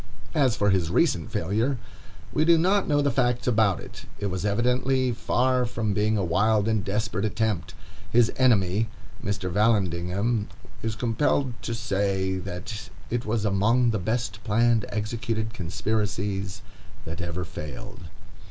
As for his recent failure, we do not know the facts about it. It was evidently far from being a wild and desperate attempt. His enemy, Mr. Vallandigham, is compelled to say, that "it was among the best planned and executed conspiracies that ever failed."